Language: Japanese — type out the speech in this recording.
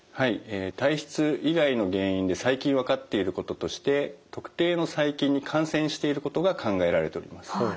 体質以外の原因で最近分かっていることとして特定の細菌に感染していることが考えられております。